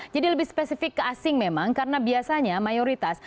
jadi lebih spesifik ke asing memang karena biasanya mayoritas